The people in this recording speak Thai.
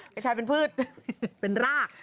กระชายเป็นพืชเป็นราก